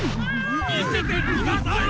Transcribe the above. みせてください！